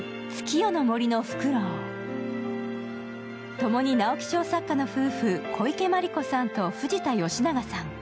共に直木賞作家の夫婦、小池真理子さんと藤田吉永さん。